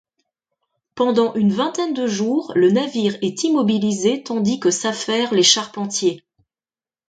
Pendant une vingtaine de jours, le navire est immobilisé tandis que s'affairent les charpentiers.